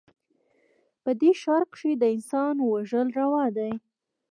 په دې ښـار کښې د انسان وژل روا دي